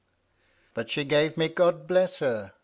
But she gave me (God bless her!)